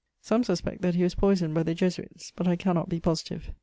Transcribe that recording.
Some suspect that he was poysoned by the Jesuites, but I cannot be positive.